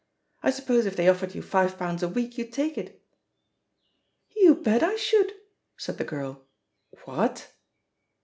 I suppose if they offered you five pounds a week you'd take it?" "You bet I should 1" said the girl, "What?"